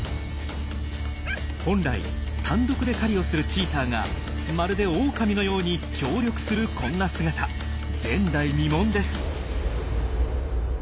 本来単独で狩りをするチーターがまるでオオカミのように協力するこんな姿前代未聞です。